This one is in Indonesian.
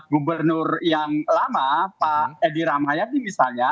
gubernur yang lama pak edi rahmayadi misalnya